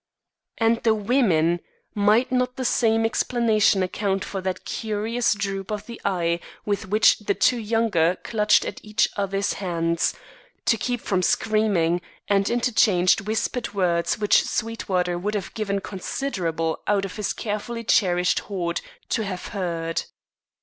And the women! Might not the same explanation account for that curious droop of the eye with which the two younger clutched at each other's hands, to keep from screaming, and interchanged whispered words which Sweetwater would have given considerable out of his carefully cherished hoard to have heard.